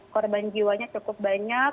korban jiwanya cukup banyak